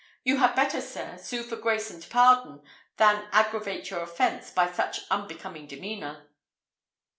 You had better, sir, sue for grace and pardon than aggravate your offence by such unbecoming demeanour."